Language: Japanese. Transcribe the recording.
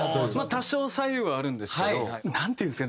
多少左右はあるんですけどなんていうんですかね